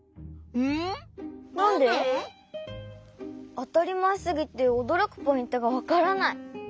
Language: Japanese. あたりまえすぎておどろくポイントがわからない。